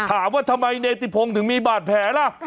ถามว่าทำไมเนติพงศ์ถึงมีบาดแผลล่ะ